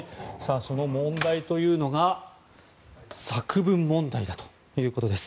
その問題というのが作文問題だということです。